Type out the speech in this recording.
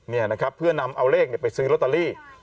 นี่นะครับเพื่อนำเอาเลขไปซื้อลอตเตอรี่